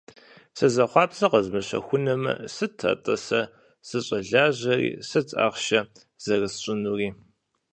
Сызэхъуапсэр къэзмыщэхунумэ, сыт, атӏэ, сэ сыщӏэлажьэри, сыт ахъшэ зэрысщӏынури?